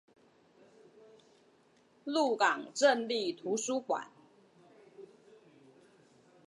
鹿港鎮立圖書館